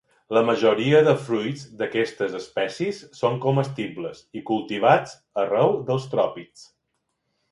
La majoria de fruits d'aquestes espècies són comestibles i cultivats arreu dels tròpics.